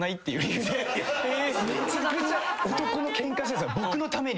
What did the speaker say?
めちゃくちゃ男のケンカしてた僕のために。